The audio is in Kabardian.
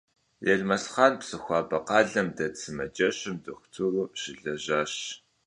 Елмэсхъан Псыхуабэ къалэм дэт сымаджэщым дохутыру щылэжьащ.